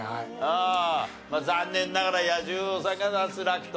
残念ながら彌十郎さんが脱落と。